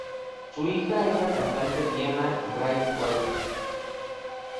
Su hija es la cantante Diana Braithwaite.